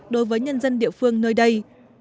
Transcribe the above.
đối với nhân dân địa phương nơi đây